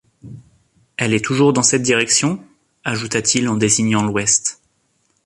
Elle est toujours dans cette direction?... ajouta-t-il en désignant l’ouest.